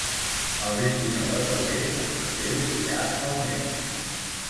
El vint-i-nou de febrer en Mateu irà al metge.